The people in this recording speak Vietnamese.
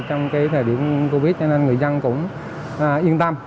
trong thời điểm covid cho nên người dân cũng yên tâm